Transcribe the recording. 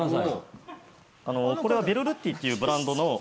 これはベルルッティっていうブランドの。